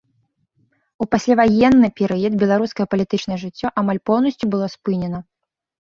У пасляваенны перыяд беларускае палітычнае жыццё амаль поўнасцю было спынена.